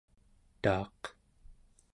taaq